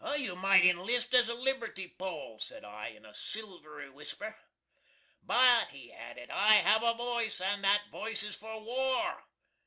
"You might inlist as a liberty pole," said I, in a silvery whisper. "But," he added, "I have a voice, and that voice is for war."